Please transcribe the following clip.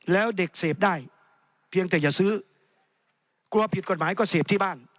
แล้วเด็กเสพได้เพียงแต่อย่าซื้อกลัวผิดกฎหมายก็เสพที่บ้าน